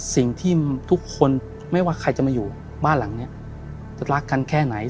สิ่งที่ทุกคนไม่ว่าใครจะมาอยู่บ้านหลังนี้รักกันแค่ไหน